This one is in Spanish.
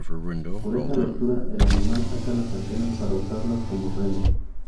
Por esta abertura el animal saca las antenas para usarlas como remos.